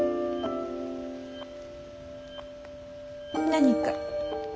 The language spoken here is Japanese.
何か？